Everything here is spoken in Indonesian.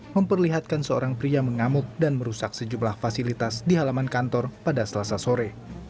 memperlihatkan seorang pria mengamuk dan merusak sejumlah fasilitas di halaman kantor pada selasa sore